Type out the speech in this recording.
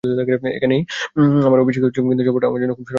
এখানেই আমার অভিষেক হয়েছিল, কিন্তু সফরটা আমার জন্য খুব স্মরণীয় ছিল না।